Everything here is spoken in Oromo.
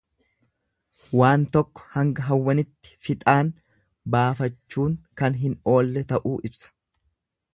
Waan tokko hanga hawwanitti fixaan baafachuun kan hin oollee ta'uu ibsa.